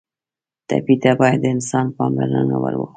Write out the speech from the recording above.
ټپي ته باید د انسان پاملرنه ور وښیو.